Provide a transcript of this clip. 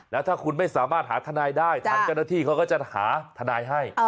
แล้วถ้าคุณไม่สามารถหาทนายได้ทางเจ้าหน้าที่เขาก็จะหาทนายให้